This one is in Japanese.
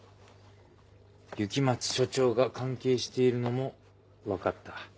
雪松署長が関係しているのも分かった。